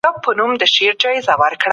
کله چې تا به ځمکه اخیستل ما به هم اخیستل.